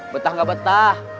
betah gak betah